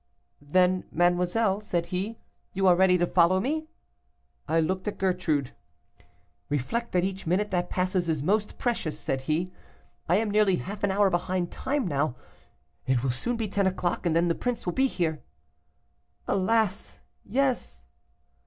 'Then, mademoiselle,' said he, 'you are ready to follow me?' I looked at Gertrude. 'Reflect that each minute that passes is most precious,' said he, 'I am nearly half an hour behind time now; it will soon be ten o'clock, and then the prince will be here.' 'Alas! yes.